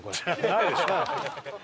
ないでしょ。